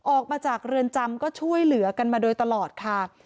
ออกมาจากเรือนจำก็ช่วยเหลือกันมาโดยตลอดค่ะ